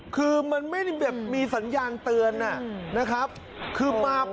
คือมันไม่ได้แบบมีสัญญาณเตือนนะครับคือมา